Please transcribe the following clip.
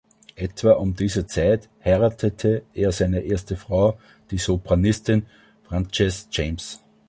Etwa um diese Zeit heiratete er seine erste Frau, die Sopranistin Frances James.